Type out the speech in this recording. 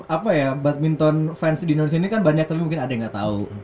apa ya badminton fans di indonesia ini kan banyak tapi mungkin ada yang nggak tahu